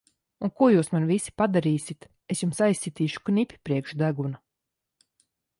Un ko jūs man visi padarīsit! Es jums aizsitīšu knipi priekš deguna!